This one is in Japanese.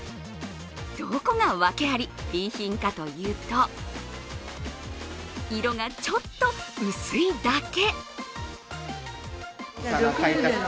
どこがワケあり、Ｂ品かというと、色がちょっと薄いだけ。